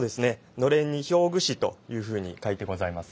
のれんに「表具師」というふうに書いてございます。